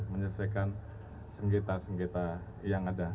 menyelesaikan sengkita sengkita yang ada